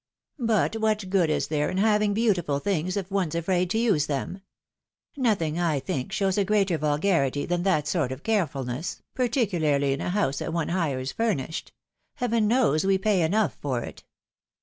But what good is there in having beautiful things if 262 THE WIDOW MARRIED. one's afraid to use tliem ? NotMng, I tMiik, shows a greater ■mlgarity, than that sort of carefulness, particularly in a house that one hires furnished. Heaven knows we pay enough for it!"